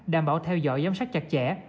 đảm bảo theo dõi giám sát chặt chẽ